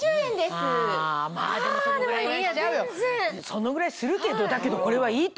そのぐらいするけどだけどこれはいいと思う。